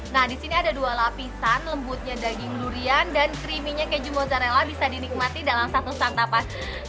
nah disini ada dua lapisan lembutnya daging durian dan creaminya keju mozzarella bisa dinikmati dalam satu santapan